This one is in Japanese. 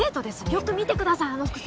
よく見てくださいあの服装。